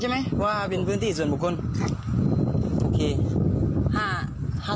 ครับถนนนี้แหละครับพื้นที่ส่วนบุคคลครับผม